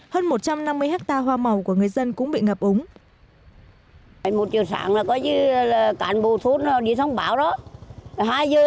hơn một trăm năm mươi hectare hoa màu của người dân cũng bị ngập úng